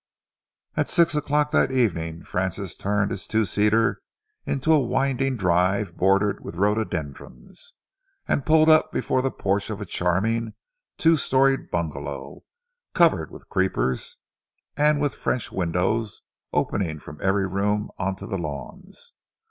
At six o'clock that evening Francis turned his two seater into a winding drive bordered with rhododendrons, and pulled up before the porch of a charming two storied bungalow, covered with creepers, and with French windows opening from every room onto the lawns.